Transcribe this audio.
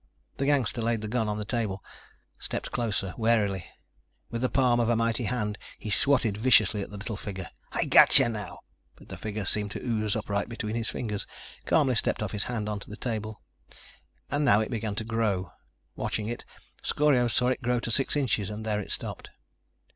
The gangster laid the gun on the table, stepped closer, warily. With the palm of a mighty hand he swatted viciously at the little figure. "I got you now!" But the figure seemed to ooze upright between his fingers, calmly stepped off his hand onto the table. And now it began to grow. Watching it, Scorio saw it grow to six inches and there it stopped.